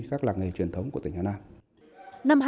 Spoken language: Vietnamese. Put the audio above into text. các làng nghề truyền thống của tỉnh hà nam